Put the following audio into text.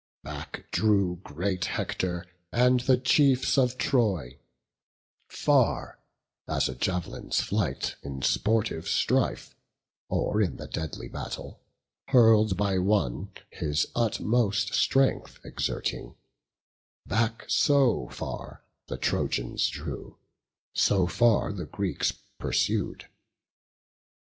Back drew great Hector and the chiefs of Troy; Far as a jav'lin's flight, in sportive strife, Or in the deadly battle, hurl'd by one His utmost strength exerting; back so far The Trojans drew, so far the Greeks pursued.